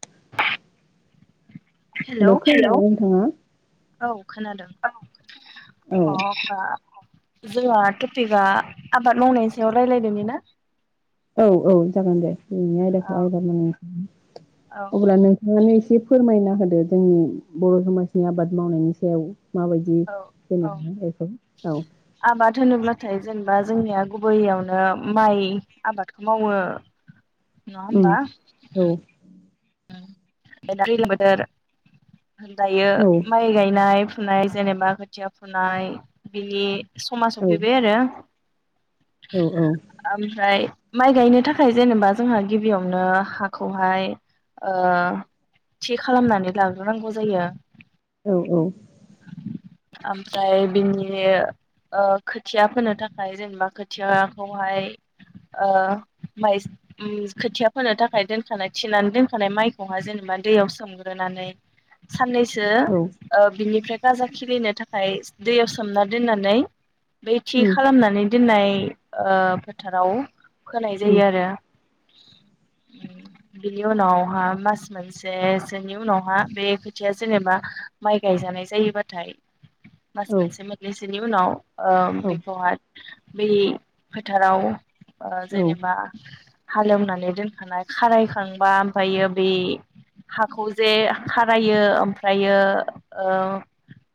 [unintelligible] Hello लखथा [inaudible] औ खोनादों। औ अब [inaudible] जोंहा टपिकआ आबाद मावनायनि सायाव रायजलायदोनि ना? औ औ जागोन दे जोंनि औ आयदाखौ आइब अब्ला औ नोंथाङानो एसे [inaudible] फोरमायना होदो जोंनि बर' समाजनि आबाद मावनायनि सायाव माबायदि औ औ जेनेबा बेखौ औ आबाद होनोब्लाथाय जेनेबा जोंनिया गुबैयावनो माइ आबादखौ मावो। नंवा होमबा? उम औ दैलां बोथोर दायो औ माइ गायनाय फुनाय जेनेबा खोथिया फुनाय बिनि समा औ सफैबाय आरो औ ओमफ्राय माइ गायनो थाखाय जेनेबा जोंहा गिबियावनो हाखौहाय ओ थि खालामनानै लाग्रोनांगौ जायो। औ औ। आमफ्राय बिनि ओ खोथिया फोनो थाखाय जेनेबा खोथियाखौहाय ओ माइ उम खोथिया फोनो थाखाय दोनखानाय थिनानै दोनखानाय माइखौहाय जेनेबा दैयाव सोमग्रोनानै साननैसो औ औ ओ बिनिफ्राय गाजा खिलिनो थाखाय दैयाव सोमना दोननानै बै थि उम खालामनानै दोननाय ओ फोथाराव फोनाय उम जायो आरो। बिनि उनावहा मास मोनसे सोनि उनावहा बे खोथाया जेनेबा माइ गायजानाय जायोबाथाय मास औ मोनसे मोनैसो नि उनाव ओ बेखौहाय बेै फोथाराव ओ जेनेबा हालौनानै दोनखानाय खारायखांबा ओमफायो बे हाखौ जे खारायो ओमफ्रायो ओ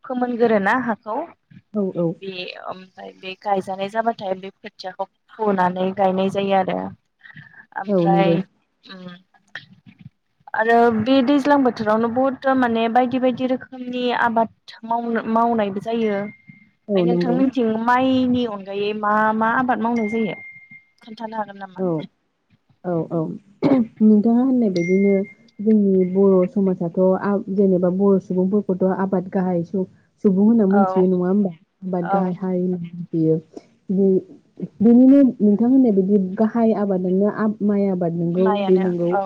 फोमोनगोरोना हाखौ? औ औ बे ओम फ्राय बे गायजानाय जाबाथाय बे खोथियाखौ फुनानै गायनाय जायो आरो। औ ओमफ्राय नंगौ उम आरो बे दैज्लां बोथोरावनो बहुद ओ माने बायदि बायदि रोखोम रोखोमनि आबाद मावनो मावनायबो जायो। ओमफाय औ नोंथां नंगौ मोनथिं माइ नि अनगायै मा मा आबाद मावनाय जायो खोन औ औ औ नोंथाङा होननाय बायदिनो जोंनि बर' समाजाथ' आ जेनेबा बर' सुबुंफोरखौथ' आबाद गाहायै सुबुं सुबुं होनना औ मिथियो नङा होमबा आबाद औ गाहाय हारि [unintelligible] बियो बि बिनिनो नोंथां होननाय बिदि गाहाय आबादजोंनो आब माइ आब बाद नोंगौ बे माइयानो नोंगौ औ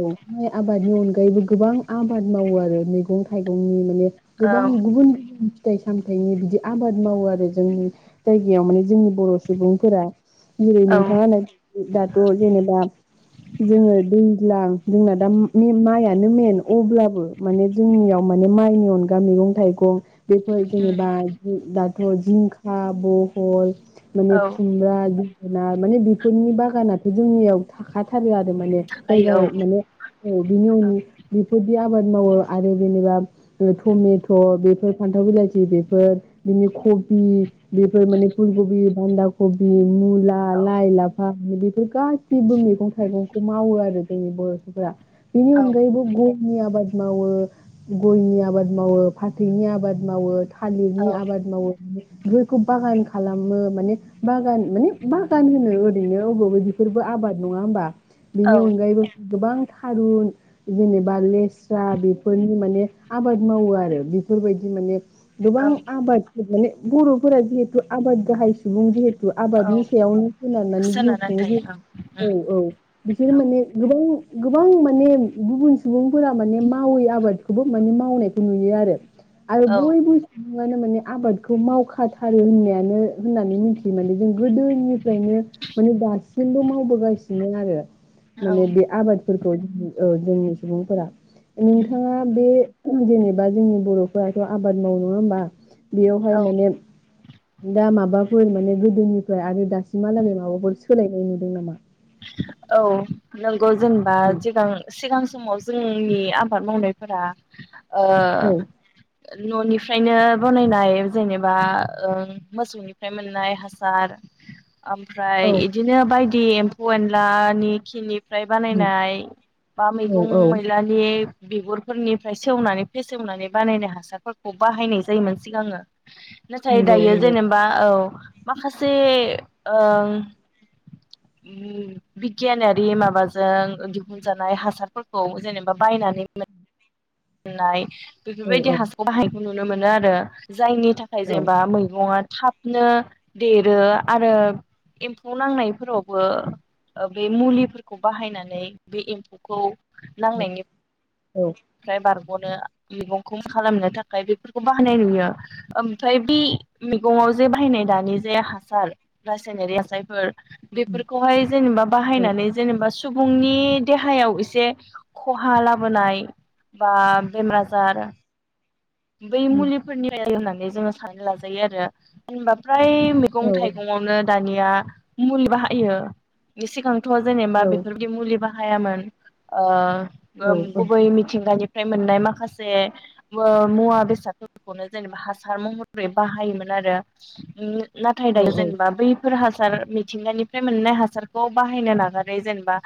औ माइ आबादनि अनगायैबो गोबां आबाद मावो आरो मैगं थाइगंनि माने औ गोबां गुबुन फिथाइ सामथाइनि बिदि आबाद मावो आरो जोंनि जायगायाव माने जोंनि बर' सुबुंफोरा। औ [unintelligible] दाथ' जेनेबा जोङो दैज्लां जोंना दा मे माइयानो मेन अब्लाबो माने जोंनियाव माने माइनि अनगा मैगं थाइगं बेफोर उम जेनेबा जि दाथ' जि खा ब हल माने औ खुमब्रा मानि [unintelligible] फोरनि बागानाथ' जोंनियाव थाखाथारो आरो माने जायगा थाखायो औ माने औ बिनि उन बेफोरदि आबाद मावो आरो जेनेबा टमेट' बेफोर फान्थाव बिलाइथि बेफोर बिनि कबि बेफोर माने फु गुबबि बान्दा कबि मल ला औ लाइला [unintelligible] बेफोर गासिबो मैगं थाइगंखौ मावो आरो जोंनि बर'फोरा बिनि औ अनगायैबो गमनि आबाद मावो गयनि आबाद मावो फाथैनि आबाद मावो थां लिरनि आबाद मावो बेखौ बागान खालामो माने बागान माने बागान होनो ओरैनो अबावबबो बेफोरबो आबाद नङा होनोमबा औ बेनि अनगायैबो गोबां थारुन जेनेबा लेस्रा बेफोरनि माने आबाद मावो आरो बेफोरबायदि माने गोबां औ आबाद माने बर'फोरा जिहेतु सुबुं जिहेतु आबादनि औ सायावनो सोनारनानै खोनननन थायो औ औ बिसोर माने गोबां गो गोबां माने गुबुन सुबुंफोरा माने मावै आबादखौबो माने मावनायखौ नुयो आरो आरो औ बय ब ानो माने आबादखौ मावखाथारो होननायानो होननानै मिथियो माने जों गोदोनिफ्रायनो माने दासिमबो' मावबोगासिनो आरो औ माने बे आबादफोरखौ ओ जोंनि सुबुंफोरा नोंथाङा बे जेनेबा जोंनि बर'फोराथ' आबाद माव नङा होमबा बेयावहाय औ माने दा माबाफोर माने गोदोनिफ्राय आरो दासिमालागैय माबाफोर सोलायनाय नुदों नामा ॽ औ न उम जेनेबागां सिगां समाव जोंनि आबाद मावनायफोरा आ औ न'नि फ्रायनो बानायनाय जेनेबा मोसौनिफ्राय मोननाय हासार ओमफ्राय औ बिदिनो बायदि टिम एनलानि खिनि- प्रायः उम बानायनाय बा औ मैगं औ मैलानि। बिगुरफोरनिफ्राय सेवनानै फेसेवनानै बानायनाय हासारफोरखौ बाहायनाय जायोमोन सिगाङो। नाथाय नंगौ दायो नंगौ जेनेबा औ। माखासे। बिगियानारि माबाजों दिहुनजानाय हासारफोरखौ जेनेबा बायनानै। [unintelligible] औ बेफोरबायदि औ हासार बाहायनायखौ नुनो। नुनो मोनो आरो। जायनि थाखाय औ जेनेबा उम मैगंआ। थाबनो देरो आरो एम्फौ नांनायफोरावबो बे मुलिफोरखौ बाहायनानै बे एम्फौखौ। औ उम नांनायनिफ्राय। बारग'नो मैगंखौ खालामनो थाखाय बेफोरखौ बाहायनाय नुयो ओमफ्राय बे मैगंआव जे बाहायनाय दानि जे हासार रासायनारि हासारफोर। बेफोरखौहाय जेनेबा बाहायनानै जेनेबा। सुबुंनि देहायाव एसे खहा लाबोनाय। बा बेमार आजार। बै मुलिफोरनिफ्राय। [inaudible] फ्राय औ मैगं थाइगङावनो दानि। मुलि बाहायो सिंगानि समाव जेनेबा औ बेफोरबायदि मुलि बाहा हायामोन ओ गुबै मिथिंगानि फ्राय मोननाय माखासे ओ मुवा बेसादफोरखौनो जेनेबा हासार महरै बाहायोमोन आरो। नाथाय औ दायो जेनेबा बैफोर हासार मिथिंगानिफ्राय मोननाय हासारखौ बाहायनो नागारै जेनेबा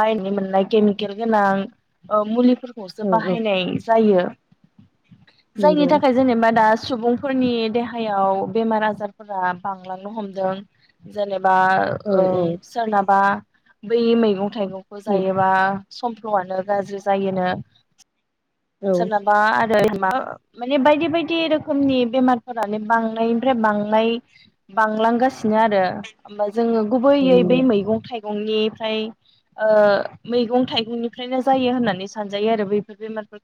बायनो मोननाय केमिकेल गोनां ओ मुलि फोरखौसो औ औ बाहायनाय जायो। जायनि नंगौ थाखाय जेनेबा दा सुबुंफोरनि देहायाव बेमार आजारफोरा बांलांनो हमदों, जेने बा औ औ ओं उम सोरनाबा बै मैगं थाइगंखौ औ जायोबा समफ्ल'आनो गाज्रि जायोनो। सोरनाबा आरो मा माने बायदि बायदि रोखोमनि बेमारफोरानो बांनायनिफ्राय बांनाय बांलांगासिनो आरो जोङो गुबैयै बै नंगौ मैगं थाइगं मैगंनिफ्राय आ मैगं थाइगंनिफ्रायनो जायो होननानै सानजायो आरो बेफोर बेमारफोरखौ।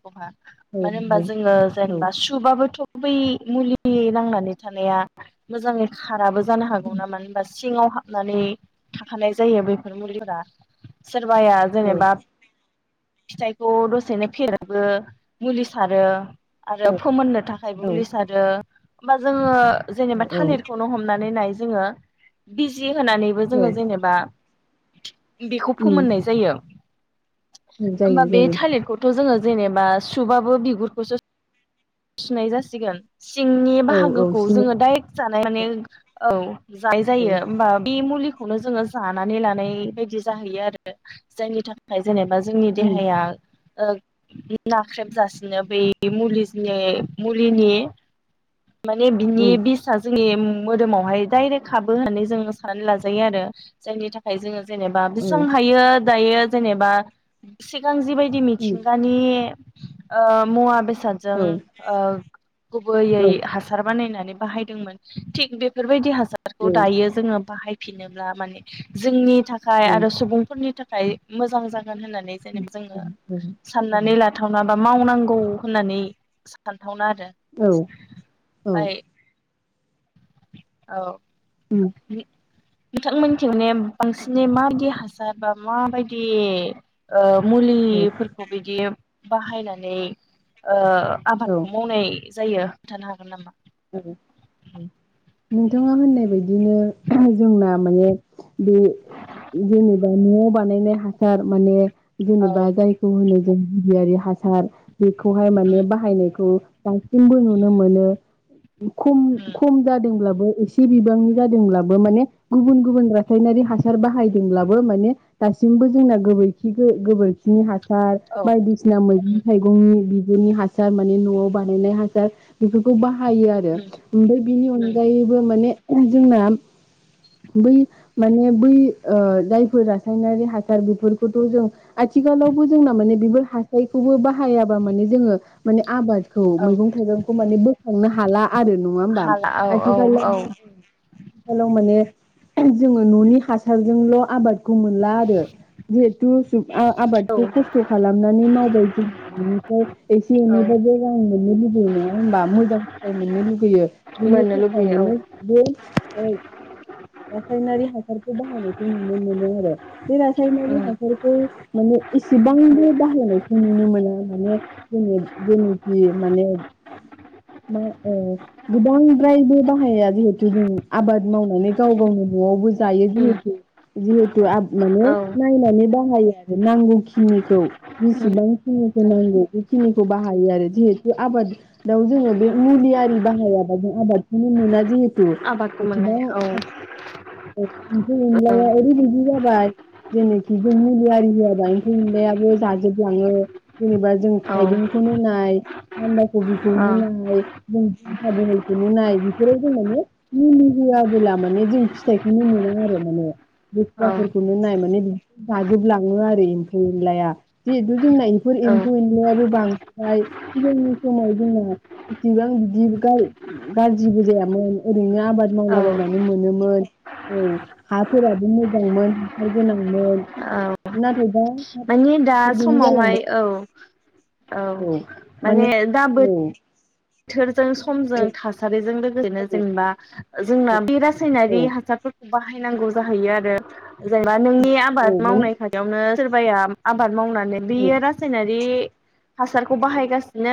औ नंगौ औ मानो होनबा जोङो जेनेबा सुबाबोथ' गुबै मुलि नांनानै थानाया मोजाङै खाराबो जानो हागौ ना मानो होमबा सिङाव हाबनानै थाखानाय जायो बेफोर मुलिफोरा। सोरबाया जेनेबा फिथाइखौ दसेनो फेरो बो मुलि सारो। आरो फोमोननो थाखाय बो औ मुलि सारो। ओमबा जोङो जेनेबा औ थालिरखौनो हमनानै नाय। जोङो बिजि जि होनानैबो औ जोङो जेनेबा बेखौ उम फोमोननाय जायो। उम जायो होमबा बे जायो थालिरखौथ' जोङो जेनेबा सुबाबो बिगुरखौसो फिनाय जासिगोन सिंनि औ औ बाहागोखौ सिङाव जोंङो डाइरेक्ट जानानै औ जाय जायो हाबो होमबा बे मुलिखौ खौनो जोंङो जानानै लानाय बायदि जाहैयो आरो जायनि थाखाय जेनेबा जोंनि उम देहाया ओं ना नाख्रेबजासिनो बै मुलि बे मुलिनि माने बिनि उम बिसआ जोंनि मोदोमावहाय डाइरेक्ट हाबो होननानै जों साननानै लाजायो आरो जायनि थाखाय जोंङो जेनेबा बेसां औ हायो जायो जेनेबा सिगां जि बाय बायदि उम मिथिंगानि ओ मुवा बेसाद जों औ ओ औ गुबैयै हासार बानायनानै बाहायदोंमोन थिग बेफोरबायदि हास औ सारखौ दायो जोङो बाहाय फिनोब्ला माने जोंनि नि थाखाय आरो सुबुंफोरनि थाखाय खाय मोजां जा गोन होननानै जेनेबा जोङो साननानै लाथावना बा मावनांगौ होननानै सान थावना आरो ओमफ्राय औ ओम नोंथांमोनथिजाय बांसिनै माबायदि हासार बा माबायदि ओ औ मुलिफोरखौ बिदि बाहायनानै ओ ओ आबादखौ औ मावनाय जायो खोनथानो हागोन नामा? नोंथाङा होननाय बायदिनो जोंना माने बे जेनेबा नआव बानायनाय हासार माने औ जेनेबा जायखौ होनो [unintelligible] हासार बेखौहाय उम माने बाहायनायखौ दासिमबो नुनो मोनो खम उम खम जादोंब्लाबो इस [unintelligible] बिबांनि जादोंब्लाबो माने गुबुन गुबुन रासायनारि हासार बाहायदोंब्लाबो माने दासिमबो जोंना गोबोरखि गोबोरखिनि हास सार औ बायदिसिना मैगं उम थाइगंनि बि बिनि हासार माने नआव बानायनाय हासार बेफोरखौ बा हायो आरो उम ओमफाय बिनि उम अनगायैबो माने जोंना बै माने बै ओ जायफोर रासायनारि हासार बेफोरखौथ जों आथिखालावबो जोंना माने बेफोर हासारखौबो बाहायाबा माने जोङो माने आबाद खौ औ मैगं थाइगंखौ माने बो थांनो हाला आरो नङा होमबा हाला औ औ औ आथिखालावबो आथिखालाव माने जोङो ननि हासारजोंल आबाद खौ मोनला आरो जिहेथु सु आ औ आबादखौ खस्थ खालामनानै मावबाय जेब्ला बिनिफ्राय एसे औ एनैबाबो रां मोननो लुबैयो नङा होमबा मुद [unintelligible] फिथाइ मोननो लुगैयो बिनि मोननो थाखाय लुबैयो औ माने बे औ रासायनारि हासारखौ बाहायनायखौ नुनो मोनो आरो बे उम रासायनाारि हासारखौ माने इसेबांबो बाहा [unintelligible] नायखौ नुनो मोना माने जोंङो बेनोखि माने मा ओ गोबांद्रायबो बाहाया जिहेथु जों आबाद मावनानै गाव गावनि न'आवबो जायोदि उम एदि जिहेतु आब माने औ नायनानै बाहायो आर नांगौखिनिखौ बिसेबां [unintelligible] निखौ नांगौ खिनिखौ बाहायो आरो जिहेतु आबाद [unintelligible] जोङो बे मुलि आरि बाहायाबा जों आबादखौनो मोना जिहेत आबादखौ [unintelligible] मोननाय औ एमफौ एनलाया ओरैबायदि जा बाय जेनेखि बे मुलि आरि होआबा एम्फौ एनलायाबो जाजोबलाङो जेनेबा जों औ थाइबेंखौनो नाय होमबासो [unintelligible] औ होनाय [unintelligible] नाय बेफोराव जों माने मुलि होआबोला माने जों फिथाइखौनो मोना आरो माने औ दस्राफोरखौनो नाय माने जाजोबलाङो आरो एम्फौ एनलाया जिहेथु जोंना बेफोर औ एम्फौ एनलायाबो बांद्राय सिगांनि समाव जोंना इसेबां बिदि गा गाज्रिबो जायामोन ओरैनो आबाद औ मावलाबायबानो मोनोमोन औ हाफोराबो मोजांमोन हासार गोनांमोन नाथाय दा हाफोराबो माने दा हासार गैयि समावहाय जालांबाय औ औ माने दाबो औ औ थोर जों सम जों थासारिजों लोगोसे औ बिदिनो जेनेबा जोंना बे रासायनारि हासार बाहायनांगौ जाहैयो आरो। जेनेबा नोंनि औ आबाद माने मावनाय खाथियावनो सोरबा बाया आबाद मावनानै औ बेयो रायनारि हासारखौ बाहायगासिनो।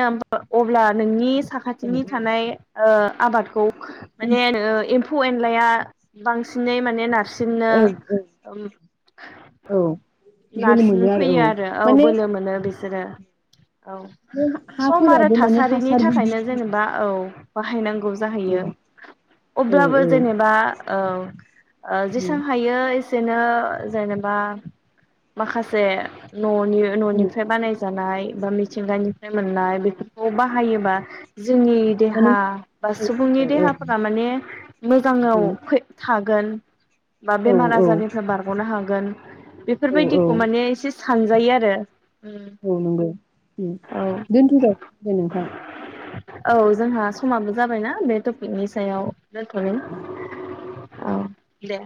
अब्ला नोंनि साखाथिनि थानाय ओ आबाद माने ओ एफु एनलाया बांसिनै माने नारस औ नारसिनो औ बेनो मोनो नारसिन फैयो आरो औ माने बोनोलो मोनो बि जोरा बे हाफोराबो माने हासार गैला खायनो जेनेबा औ बाहायनां जाहैयो औ अब्लाबो औ जेनेबा औ ओ जेसां उम हायो बिनो जेनेबा माखासे न'नि ओ उम न'निफ्राय बानायजानाय एबा मिथिंगायनिफ्राय मोननाय बेफोरखौ बाहायोबा जोंनि माने देहा बा औ सुबुंनि औ देहाफोरा माने मोजाङाव फै थागो गोन‌। बा औ बेमार आजारनिफ्राय बारग'नो हाग गोन। औ औ बेफोरबायदिखौ माने एसे सानजायो आरो उम औ नंगौ ओम औ दोनथजासिगोन नोंथां? औ जोंहा समाबो जाबायना बे टपिकनि सायाव दोनथ'नि औ दे।